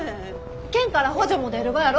県から補助も出るがやろ？